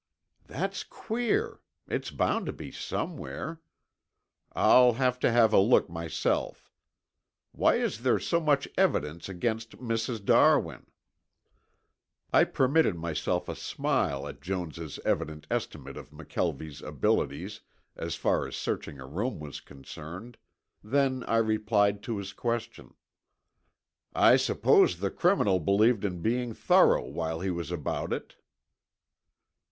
"That's queer. It's bound to be somewhere. I'll have to have a look myself. Why is there so much evidence against Mrs. Darwin?" I permitted myself a smile at Jones' evident estimate of McKelvie's abilities as far as searching a room was concerned, then I replied to his question. "I suppose the criminal believed in being thorough while he was about it."